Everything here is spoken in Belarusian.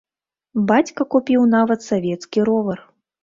Бацька купіў нават савецкі ровар.